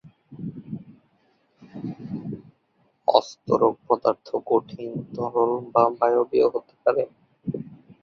অস্তরক পদার্থ কঠিন, তরল বা গ্যাসীয় হতে পারে।